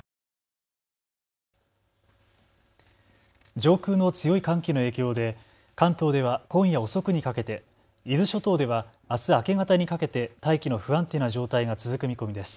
上空の強い寒気の影響で関東では今夜遅くにかけて伊豆諸島ではあす明け方にかけて大気の不安定な状態が続く見込みです。